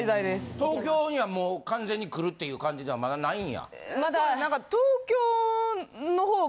東京にはもう完全に来るっていう感じではまだないんや。